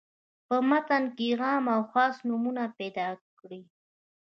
په متن کې عام او خاص نومونه پیداکړي.